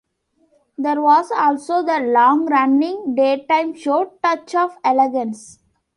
There was also the long running daytime show "Touch of Elegance".